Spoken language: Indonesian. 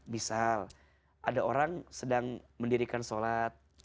misal ada orang sedang mendirikan sholat